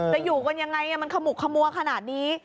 จะอยู่กันยังไงมันขมุกขมัวขนาดนี้